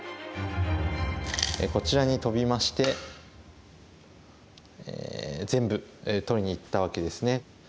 こちらにトビまして全部取りにいったわけですね。